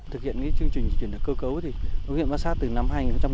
thực hiện chương trình chuyển đoạn cơ cấu huyện bát sát từ năm hai nghìn một mươi tám